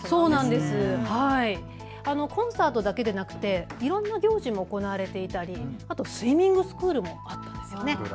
コンサートだけでなくていろんな行事も行われていたりスイミングスクールもあったんですよね。